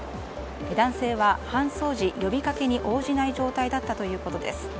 男性は搬送時呼びかけに応じない状態だったということです。